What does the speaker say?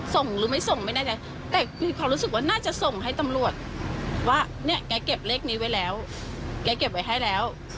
ส่งรู้มั้ยส่งไม่น่าจะ